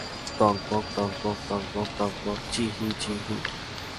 টগবগ টগবগ টগবগ টগবগ, চিঁহি চিঁহি।